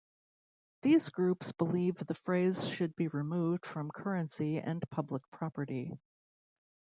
These groups believe the phrase should be removed from currency and public property.